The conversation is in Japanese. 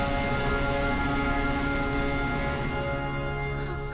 あっ。